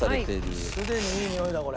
すでにいいにおいだこれ。